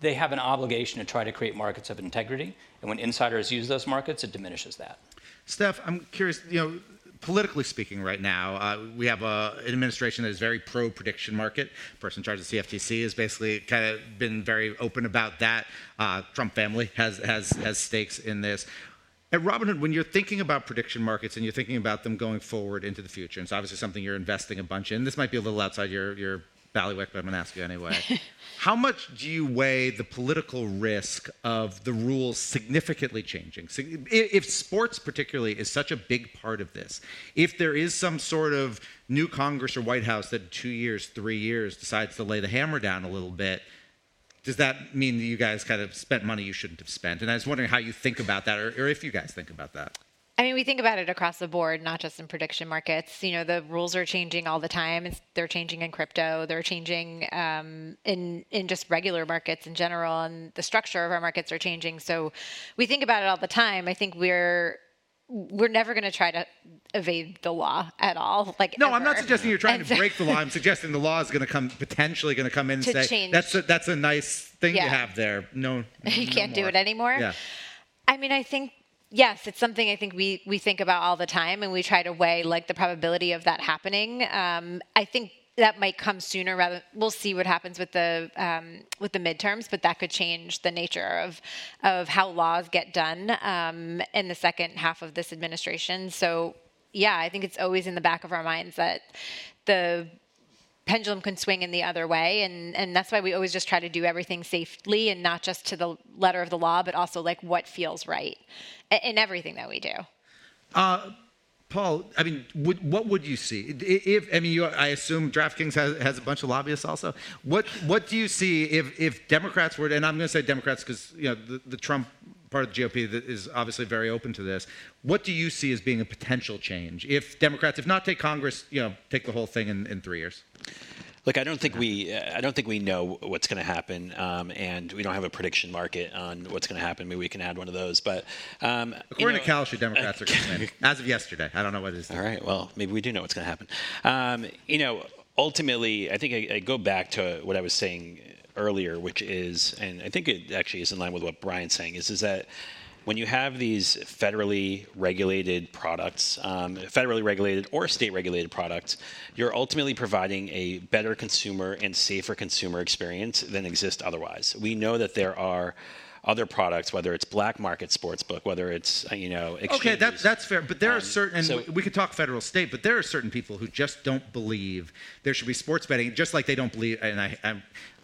They have an obligation to try to create markets of integrity, and when insiders use those markets, it diminishes that. Steph, I'm curious, you know, politically speaking right now, we have a, an administration that is very pro-prediction market. Person in charge of the CFTC is basically kinda been very open about that. Trump family has stakes in this, at Robinhood, when you're thinking about prediction markets and you're thinking about them going forward into the future, and it's obviously something you're investing a bunch in. This might be a little outside your bailiwick, but I'm gonna ask you anyway. How much do you weigh the political risk of the rules significantly changing? if sports particularly is such a big part of this, if there is some sort of new Congress or White House that in two years, three years decides to lay the hammer down a little bit, does that mean that you guys kind of spent money you shouldn't have spent? I was wondering how you think about that or if you guys think about that. I mean, we think about it across the board, not just in prediction markets. You know, the rules are changing all the time. They're changing in crypto. They're changing in just regular markets in general, and the structure of our markets are changing, so we think about it all the time. I think we're never gonna try to evade the law at all. Like, ever. No, I'm not suggesting you're trying to break the law. I'm suggesting the law is gonna come, potentially gonna come in. To change That's a nice thing. Yeah You have there. No, no more. You can't do it anymore? Yeah. I mean, I think, yes, it's something I think we think about all the time, and we try to weigh, like, the probability of that happening. I think that might come sooner. We'll see what happens with the midterms, but that could change the nature of how laws get done in the second half of this administration. Yeah, I think it's always in the back of our minds that the pendulum can swing in the other way and that's why we always just try to do everything safely, and not just to the letter of the law but also, like, what feels right in everything that we do. Paul, I mean, what would you see? If, I mean, you, I assume DraftKings has a bunch of lobbyists also. What do you see if Democrats were to, and I'm gonna say Democrats 'cause, you know, the Trump part of the GOP is obviously very open to this. What do you see as being a potential change if Democrats, if not take Congress, you know, take the whole thing in three years? Look, I don't think we know what's gonna happen. We don't have a prediction market on what's gonna happen. Maybe we can add one of those. You know. According to Kalshi, Democrats are gonna win. As of yesterday. I don't know. All right. Well, maybe we do know what's gonna happen. You know, ultimately, I think I go back to what I was saying earlier, which is, and I think it actually is in line with what Brian's saying, is that when you have these federally regulated products, federally regulated or state regulated products, you're ultimately providing a better consumer and safer consumer experience than exists otherwise. We know that there are other products, whether it's black market sportsbook, whether it's, you know, exchanges. Okay, that's fair. There are certain, we can talk federal, state, but there are certain people who just don't believe there should be sports betting, just like they don't believe, and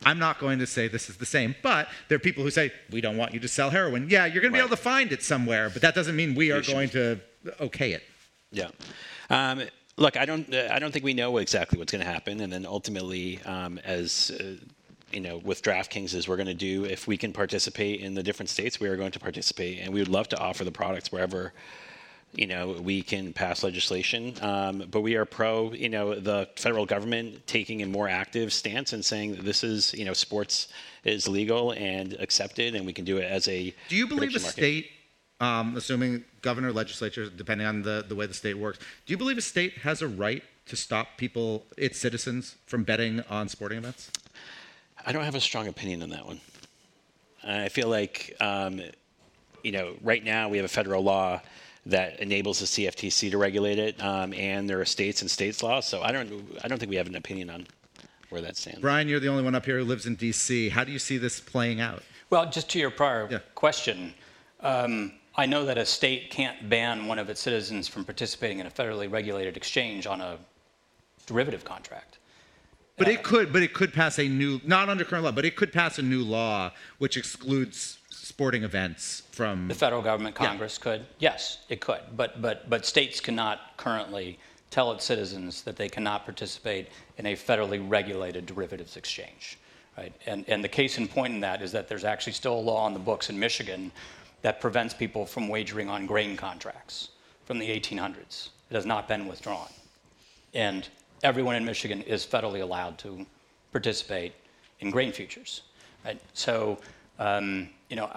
I'm not going to say this is the same, but there are people who say, "We don't want you to sell heroin." Yeah, you're gonna be able. To find it somewhere, but that doesn't mean we are going to okay it. Yeah. Look, I don't, I don't think we know exactly what's gonna happen, and then ultimately, as, you know, with DraftKings, as we're gonna do, if we can participate in the different states, we are going to participate, and we would love to offer the products wherever, you know, we can pass legislation. We are pro, you know, the federal government taking a more active stance and saying, "This is, you know, sports is legal and accepted, and we can do it as a prediction market. Do you believe a state, assuming governor, legislature, depending on the way the state works, do you believe a state has a right to stop people, its citizens, from betting on sporting events? I don't have a strong opinion on that one. I feel like, you know, right now we have a federal law that enables the CFTC to regulate it, and there are states laws, so I don't think we have an opinion on where that stands. Brian, you're the only one up here who lives in D.C. How do you see this playing out? Well, just to your prior question, I know that a state can't ban one of its citizens from participating in a federally regulated exchange on a derivative contract. Not under current law, but it could pass a new law which excludes sporting events from. The federal government? Yeah. Congress could? Yes, it could. States cannot currently tell its citizens that they cannot participate in a federally regulated derivatives exchange, right? The case in point in that is that there's actually still a law on the books in Michigan that prevents people from wagering on grain contracts from the 1800s. It has not been withdrawn, and everyone in Michigan is federally allowed to participate in grain futures, right? You know,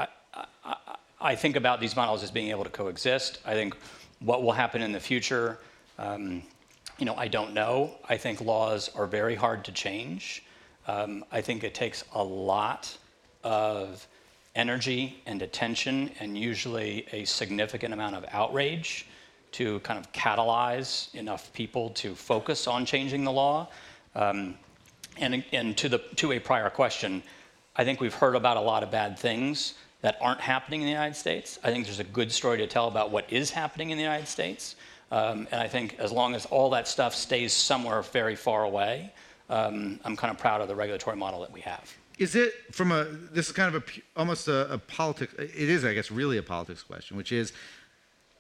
I think about these models as being able to coexist. I think what will happen in the future, you know, I don't know. I think laws are very hard to change. I think it takes a lot of energy and attention, and usually a significant amount of outrage, to kind of catalyze enough people to focus on changing the law. To a prior question, I think we've heard about a lot of bad things that aren't happening in the United States. I think there's a good story to tell about what is happening in the United States. I think as long as all that stuff stays somewhere very far away, I'm kinda proud of the regulatory model that we have. Is it, from a, this is kind of a, it is, I guess, really a politics question, which is,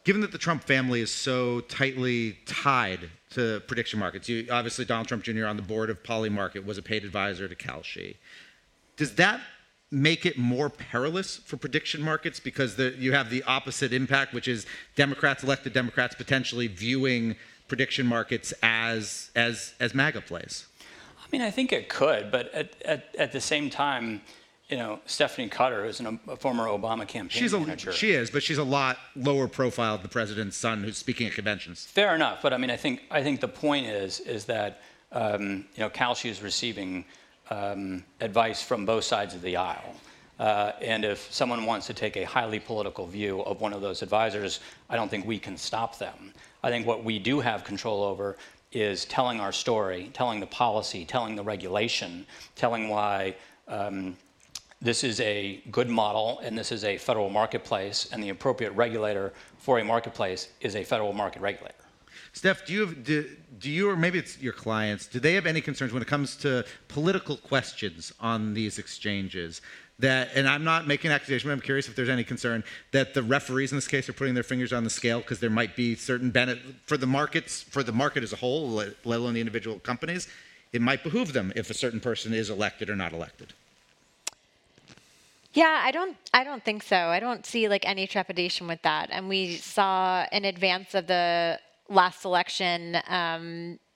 given that the Trump family is so tightly tied to prediction markets, obviously Donald Trump Jr. on the board of Polymarket, was a paid advisor to Kalshi, does that make it more perilous for prediction markets because the, you have the opposite impact, which is Democrats, elected Democrats potentially viewing prediction markets as MAGA plays? I mean, I think it could, but at the same time, you know, Stephanie Cutter, who's a former Obama Campaign Manager. She is, but she's a lot lower profile than the president's son who's speaking at conventions. Fair enough, I mean, I think the point is that, you know, Kalshi is receiving advice from both sides of the aisle. If someone wants to take a highly political view of one of those advisors, I don't think we can stop them. I think what we do have control over is telling our story, telling the policy, telling the regulation, telling why. This is a good model, and this is a federal marketplace, and the appropriate regulator for a marketplace is a federal market regulator. Steph, do you have, do you, or maybe it's your clients, do they have any concerns when it comes to political questions on these exchanges that, and I'm not making an accusation, but I'm curious if there's any concern that the referees in this case are putting their fingers on the scale because there might be certain for the markets, for the market as a whole, let alone the individual companies, it might behoove them if a certain person is elected or not elected. Yeah, I don't, I don't think so. I don't see, like, any trepidation with that. We saw in advance of the last election,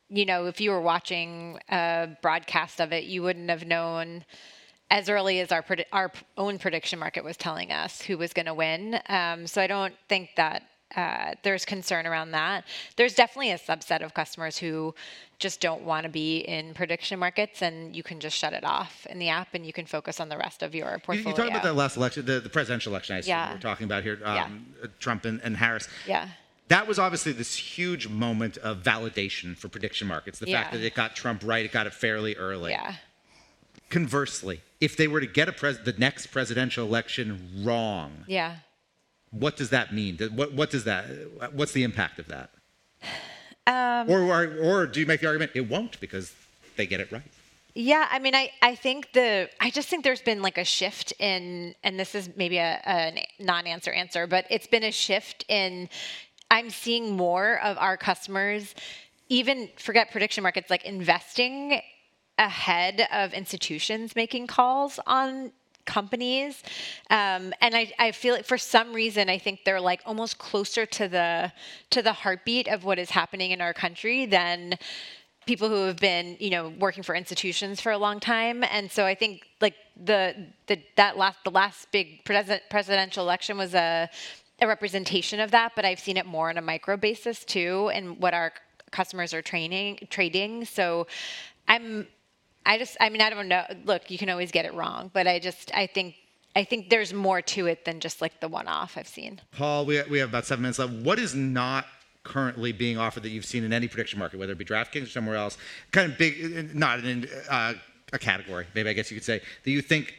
you know, if you were watching a broadcast of it, you wouldn't have known as early as our own prediction market was telling us who was going to win. I don't think that there's concern around that. There's definitely a subset of customers who just don't wanna be in prediction markets, and you can just shut it off in the app, and you can focus on the rest of your portfolio. You talked about that last election, the presidential election, I assume. Yeah We're talking about here. Yeah Trump and Harris. Yeah. That was obviously this huge moment of validation for prediction markets. Yeah The fact that it got Trump right, it got it fairly early. Yeah. Conversely, if they were to get the next presidential election wrong Yeah What does that mean? What's the impact of that? Do you make the argument it won't because they get it right? Yeah, I mean, I think there's been, like, a shift in. This is maybe a non-answer answer, but it's been a shift in I'm seeing more of our customers even, forget prediction markets, like, investing ahead of institutions making calls on companies. I feel, for some reason, I think they're, like, almost closer to the, to the heartbeat of what is happening in our country than people who have been, you know, working for institutions for a long time. I think, like, the last big presidential election was a representation of that, but I've seen it more on a micro basis, too, in what our customers are training, trading. I mean, I don't know. Look, you can always get it wrong but, I think there's more to it than just, like, the one-off I've seen. Paul, we have about seven minutes left. What is not currently being offered that you've seen in any prediction market, whether it be DraftKings or somewhere else, kind of big, not in a category, maybe I guess you could say, that you think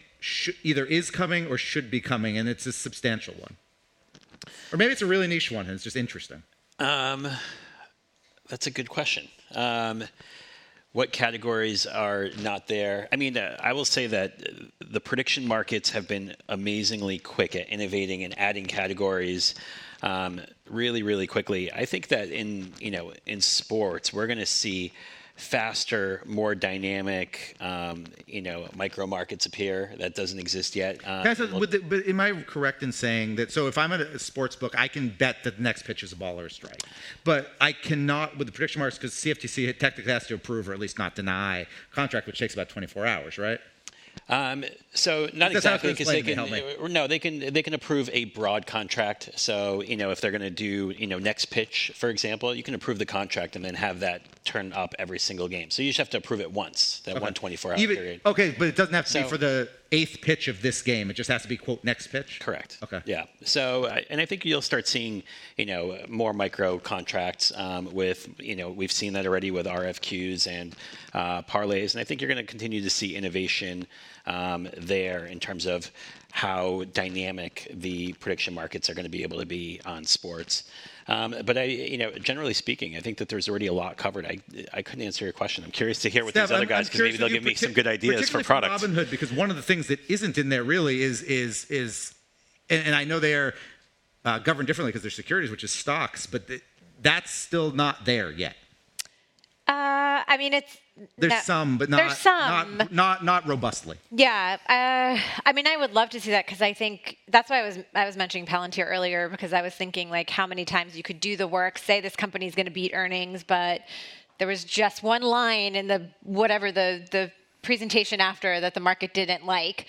either is coming or should be coming, and it's a substantial one? Or maybe it's a really niche one and it's just interesting. That's a good question. What categories are not there? I mean, I will say that the prediction markets have been amazingly quick at innovating and adding categories, really, really quickly. I think that in, you know, in sports, we're gonna see faster, more dynamic, you know, micro markets appear that doesn't exist yet. Can I say, am I correct in saying that? If I'm at a sportsbook, I can bet the next pitch is a ball or a strike. I cannot, with the prediction markets, because CFTC technically has to approve or at least not deny a contract, which takes about 24 hours, right? Not exactly. Just kind of explain that to me. Because they. Help me. No, they can approve a broad contract. You know, if they're going to do, you know, next pitch, for example, you can approve the contract and then have that turn up every single game. You just have to approve it once. Okay That one 24-hour period. Even. Okay, but it doesn't have to be, for the eight pitch of this game, it just has to be, quote, "next pitch"? Correct. Okay. Yeah. I think you'll start seeing, you know, more micro contracts. You know, we've seen that already with RFQs and parlays, I think you're gonna continue to see innovation there in terms of how dynamic the prediction markets are gonna be able to be on sports. I, you know, generally speaking, I think that there's already a lot covered. I couldn't answer your question. I'm curious to hear what these other guys. Steph, I'm curious. Because maybe they'll give me some good ideas for products. Particularly for Robinhood because one of the things that isn't in there really is. I know they are governed differently because they're securities, which is stocks, but that's still not there yet. I mean, it's not. There's some, but not. There's some Not robustly. I mean, I would love to see that 'cause I think. That's why I was mentioning Palantir earlier because I was thinking, like, how many times you could do the work, say this company's gonna beat earnings, but there was just one line in the, whatever the presentation after that the market didn't like,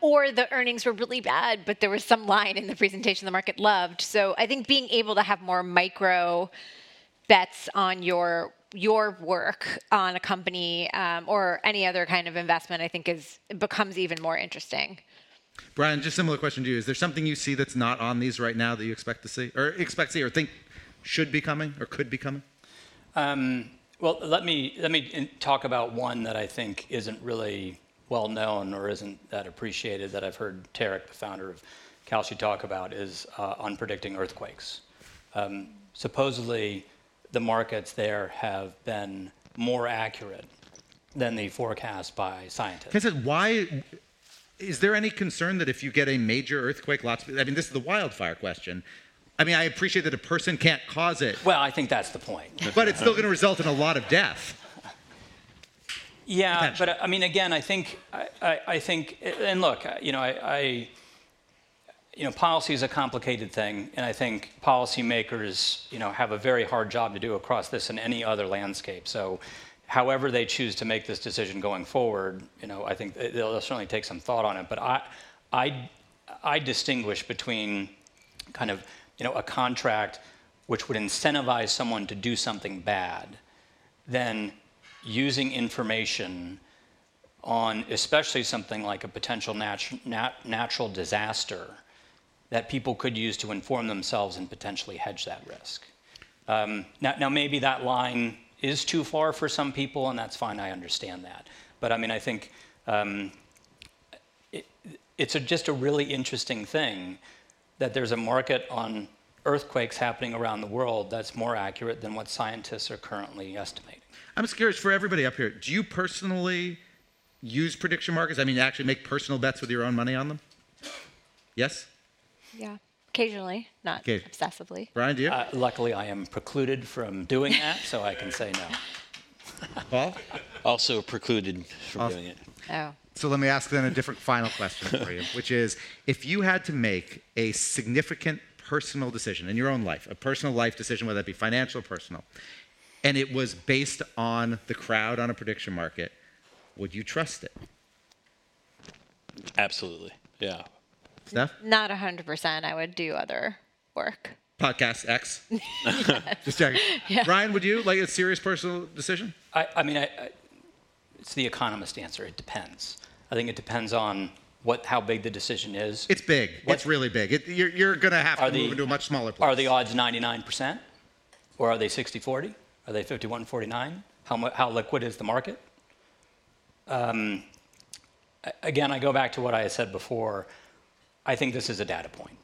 or the earnings were really bad, but there was some line in the presentation the market loved. I think being able to have more micro bets on your work on a company, or any other kind of investment, I think becomes even more interesting. Brian, just similar question to you. Is there something you see that's not on these right now that you expect to see or think should be coming or could be coming? Well, let me talk about one that I think isn't really well known or isn't that appreciated that I've heard Tarek, the founder of Kalshi, talk about, is on predicting earthquakes. Supposedly the markets there have been more accurate than the forecast by scientists. Can I say, is there any concern that if you get a major earthquake? I mean, this is the wildfire question. I mean, I appreciate that a person can't cause it. Well, I think that's the point. It's still gonna result in a lot of death. Yeah. Potentially. I think. Look, you know, I, you know, policy is a complicated thing, and I think policymakers, you know, have a very hard job to do across this and any other landscape. However they choose to make this decision going forward, you know, I think they'll certainly take some thought on it. I distinguish between kind of, you know, a contract which would incentivize someone to do something bad than using information on especially something like a potential natural disaster that people could use to inform themselves and potentially hedge that risk. Now maybe that line is too far for some people, and that's fine, I understand that. I mean, I think, it's just a really interesting thing that there's a market on earthquakes happening around the world that's more accurate than what scientists are currently estimating. I'm just curious for everybody up here, do you personally use prediction markets? I mean, actually make personal bets with your own money on them? Yes? Yeah. Occasionally. Okay. Not obsessively. Brian, do you? Luckily I am precluded from doing that, so I can say no. Paul? Also precluded from doing it. Let me ask then a different final question for you. Which is, if you had to make a significant personal decision in your own life, a personal life decision, whether that be financial or personal, and it was based on the crowd on a prediction market, would you trust it? Absolutely. Yeah. Steph? Not 100%. I would do other work. Podcast X? Just checking. Yeah. Brian, would you like a serious personal decision? I mean, it's the economist answer, it depends. I think it depends on what how big the decision is. It's big. It's really big. You're gonna have to move it to a much smaller place. Are the odds 99%? Are they 60/40? Are they 51/49? How liquid is the market? Again, I go back to what I had said before, I think this is a data point.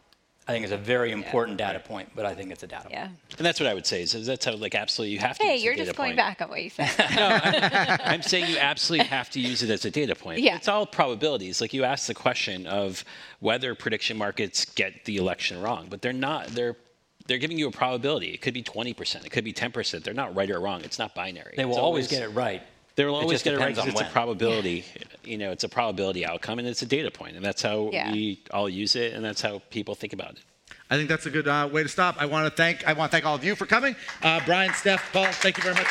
I think it's a very important data point. Yeah I think it's a data point. Yeah. That's what I would say is that's how, like, absolutely you have to use the data point. Hey, you're just going back on what you said. No, I'm saying you absolutely have to use it as a data point. Yeah. It's all probabilities. Like you asked the question of whether prediction markets get the election wrong, but they're not, they're giving you a probability. It could be 20%, it could be 10%. They're not right or wrong. It's not binary. They will always get it right. They will always get it right, it's just a probability. It just depends on when. Yeah. You know, it's a probability outcome and it's a data point, and that's how. Yeah We all use it, and that's how people think about it. I think that's a good way to stop. I wanna thank all of you for coming. Brian, Steph, Paul, thank you very much.